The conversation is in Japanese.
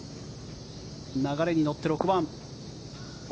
流れに乗って６番。